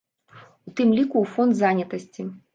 У тым ліку ў фонд занятасці?